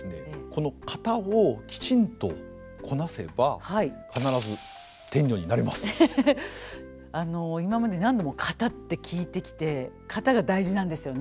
この型をきちんとこなせば今まで何度も型って聞いてきて型が大事なんですよね。